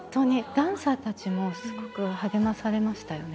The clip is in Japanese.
ダンサーたちもすごく励まされましたよね。